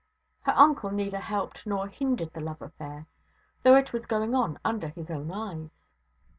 Her uncle neither helped nor hindered the love affair, though it was going on under his own eyes.